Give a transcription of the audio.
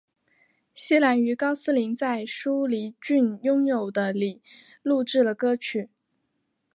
希兰于高斯林在舒梨郡拥有的里录制了歌曲。